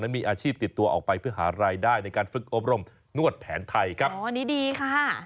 มีอาชีพติดตัวออกไปเพื่อหารายได้ในการฝึกอบรมนวดแผนไทยครับอ๋ออันนี้ดีค่ะ